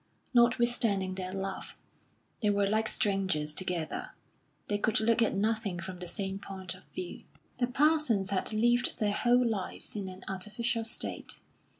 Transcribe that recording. Notwithstanding their love, they were like strangers together; they could look at nothing from the same point of view. The Parsons had lived their whole lives in an artificial state.